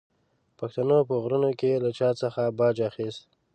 پښتنو په غرونو کې له چا څخه باج اخیست.